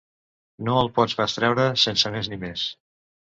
No el pot pas treure sense més ni més.